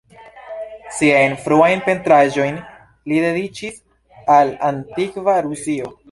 Siajn fruajn pentraĵojn li dediĉis al antikva Rusio.